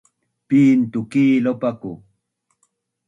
Pin tuki lopaku?